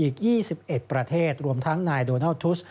อีก๒๑ประเทศรวมทั้งนายโดนัลดทุส